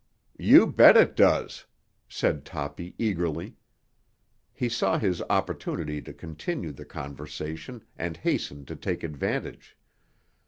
"You bet it does!" said Toppy eagerly. He saw his opportunity to continue the conversation and hastened to take advantage.